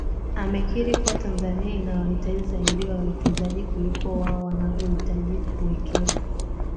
Amekiri kuwa Tanzania inawahitaji zaidi wawekezaji kuliko wao wanavyohitaji kuwekaza